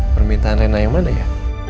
permintaan rena yang mana ya